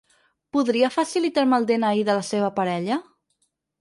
Podria facilitar-me el de-ena-i de la seva parella?